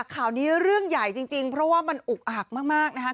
ข่าวนี้เรื่องใหญ่จริงเพราะว่ามันอุกอักมากนะครับ